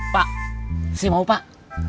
pak saya mau pak